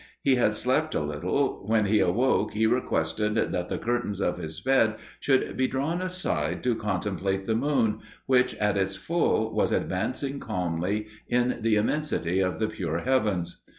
He had slept a little; when he awoke, he requested that the curtains of his bed should be drawn aside to contemplate the moon, which, at its full, was advancing calmly in the immensity of the pure heavens.